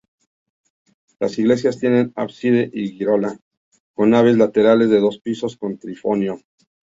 Las iglesias tienen ábside y girola, con naves laterales de dos pisos con triforio.